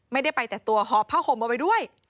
ไม่ได้ไปแต่ตัวหอบผ้าห่มเอาไว้ด้วย